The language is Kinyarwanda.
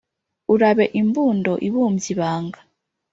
Urabe imbundo ibumbye ibanga